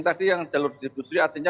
tadi yang jalur distribusi artinya